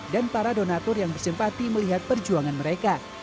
dan para donatur yang bersempati melihat perjuangan mereka